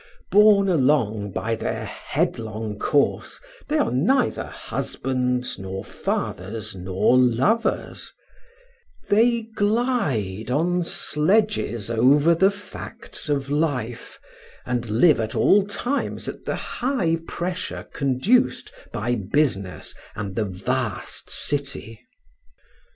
Borne along by their headlong course, they are neither husbands nor fathers nor lovers; they glide on sledges over the facts of life, and live at all times at the high pressure conduced by business and the vast city.